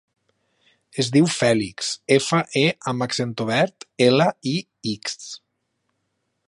Es diu Fèlix: efa, e amb accent obert, ela, i, ics.